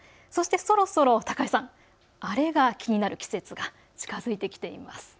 そしてそろそろ高井さん、あれが気になる季節が近づいてきています。